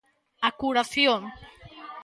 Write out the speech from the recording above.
A curación.